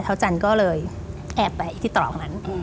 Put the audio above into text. เท้าจันก็เลยแอบไปที่ตรอกนั้น